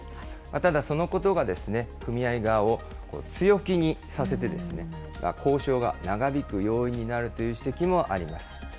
ただそのことが組合側を強気にさせて、交渉が長引く要因になるという指摘もあります。